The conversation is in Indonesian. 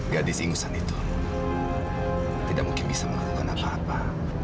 gadis ingusan itu tidak mungkin bisa melakukan apa apa